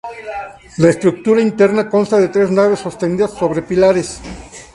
La estructura interna consta de tres naves sostenidas sobre pilares.